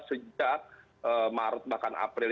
sejak maret bahkan april